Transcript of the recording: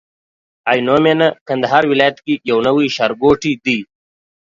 عينو مينه کندهار ولايت کي يو نوي ښارګوټي دي